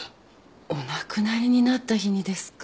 お亡くなりになった日にですか？